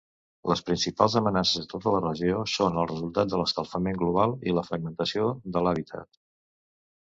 Les principals amenaces a tota la regió són el resultat de l'escalfament global i la fragmentació de l'hàbitat.